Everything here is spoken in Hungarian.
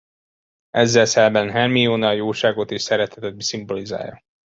Ezzel szemben Hermione a jóságot és szeretetet szimbolizálja.